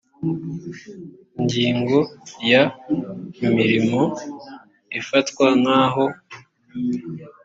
ingingo ya imirimo ifatwa nk aho